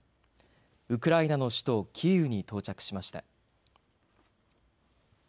ウクライナの首都キーウに到着しました。